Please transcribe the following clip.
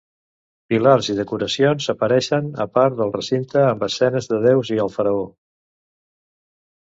Pilars i decoracions apareixen a part del recinte amb escenes de deus i el faraó.